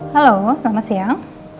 halo selamat siang